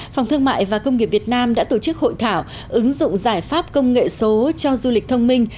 phòng thương mại và công nghiệp việt nam đã tổ chức hội thảo ứng dụng giải pháp công nghệ số cho du lịch thông minh